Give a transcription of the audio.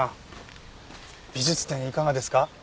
美術展いかがですか？